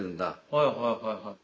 はいはいはいはい。